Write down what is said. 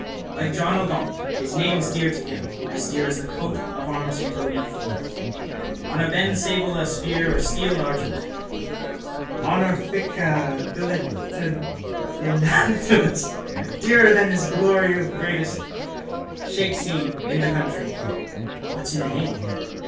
Like John o'Gaunt his name is dear to him, as dear as the coat and crest he toadied for, on a bend sable a spear or steeled argent, honorificabilitudinitatibus, dearer than his glory of greatest shakescene in the country. What's in a name?